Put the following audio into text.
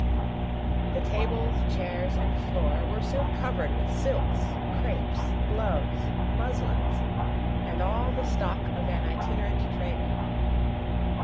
The tables, chairs, and floor were soon covered with silks, crapes, gloves, muslins, and all the stock of an itinerant trader.